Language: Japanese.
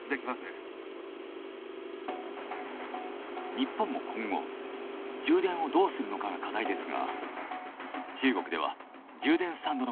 日本も今後充電をどうするのかが課題ですが中国では充電スタンドの混雑が問題になっています。